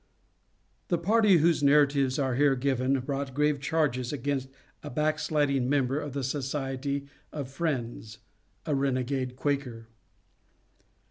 The party whose narratives are here given brought grave charges against a backsliding member of the Society of Friends a renegade Quaker.